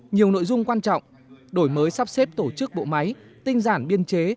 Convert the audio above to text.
nhiều nội dung quan trọng đổi mới sắp xếp tổ chức bộ máy tinh giản biên chế